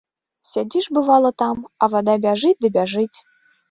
Сядзіш бывала там, а вада бяжыць ды бяжыць.